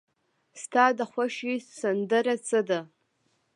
ستا د خوښې سندره څه ده؟